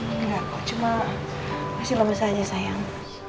enggak kok cuma masih lemes aja sayang